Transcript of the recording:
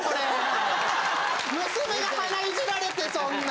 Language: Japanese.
娘が鼻いじられてそんな！